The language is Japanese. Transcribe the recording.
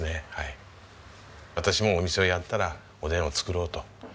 私もお店をやったらおでんを作ろうと。